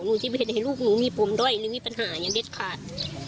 หนูที่แบบให้ลูกหนูมีปร่มด้อยหรือมีปัญหาอย่างแบบแบบ